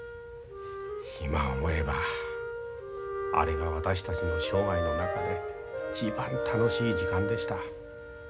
今思えばあれが私たちの生涯の中で一番楽しい時間でした。